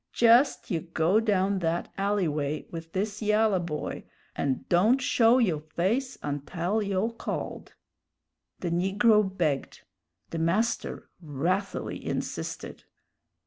Jest you go down that alley way with this yalla boy, and don't show yo' face untell yo' called!" The negro begged; the master wrathily insisted.